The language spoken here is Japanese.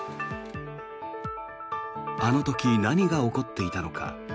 あの時、何が起こっていたのか。